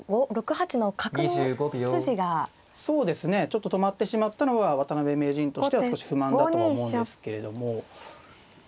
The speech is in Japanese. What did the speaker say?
ちょっと止まってしまったのは渡辺名人としては少し不満だとは思うんですけれども。